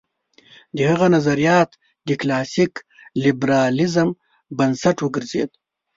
د هغه نظریات د کلاسیک لېبرالېزم بنسټ وګرځېد.